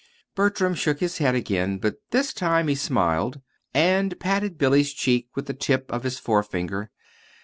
Bertram shook his head again; but this time he smiled, and patted Billy's cheek with the tip of his forefinger.